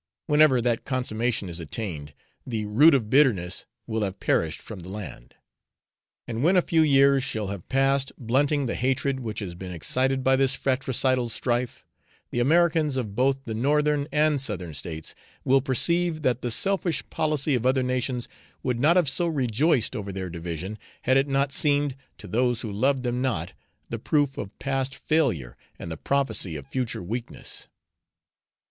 Whenever that consummation is attained, the root of bitterness will have perished from the land; and when a few years shall have passed blunting the hatred which has been excited by this fratricidal strife, the Americans of both the Northern and Southern States will perceive that the selfish policy of other nations would not have so rejoiced over their division, had it not seemed, to those who loved them not, the proof of past failure and the prophecy of future weakness.